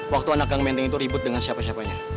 waktu anak kang menteng itu ribut dengan siapa siapanya